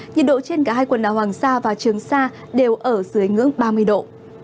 nhiệt độ trên cả hai quần đảo hoàng sa và trường sa đều ở dưới ngưỡng ba mươi độ